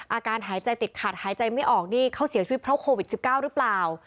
อาการหายใจติดขัดหายใจไม่ออกนี่เขาเสียชีวิตเพราะโควิด๑๙หรือเปล่า